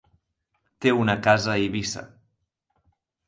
Té una casa a Eivissa.